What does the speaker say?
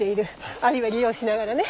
あるいは利用しながらね。